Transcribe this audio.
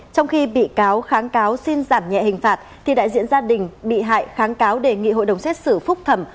trong khi bị cáo kháng cáo xin giảm nhẹ hình phạt thì đại diện gia đình bị hại kháng cáo đề nghị hội đồng xét xử phúc thẩm